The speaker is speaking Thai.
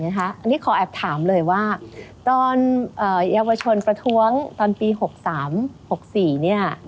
อันนี้ขอแอบถามเลยว่าตอนเยาวชนประท้วงตอนปี๖๓๖๔เนี่ย